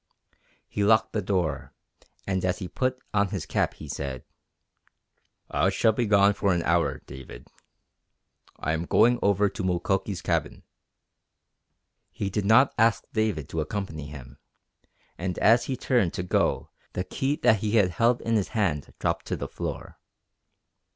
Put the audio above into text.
He locked the door, and as he put on his cap he said: "I shall be gone for an hour, David. I am going over to Mukoki's cabin." He did not ask David to accompany him, and as he turned to go the key that he had held in his hand dropped to the floor.